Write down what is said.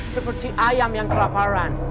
seperti ayam yang kelaparan